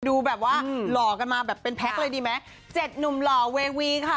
ดูแบบว่าหล่อกันมาแบบเป็นแพ็คเลยดีไหมเจ็ดหนุ่มหล่อเววีค่ะ